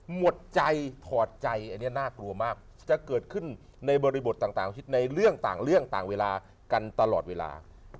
หมดใจถอดใจอันนี้น่ากลัวมากจะเกิดขึ้นในบริบทต่างในเรื่องต่างเรื่องต่างเวลากันตลอดเวลา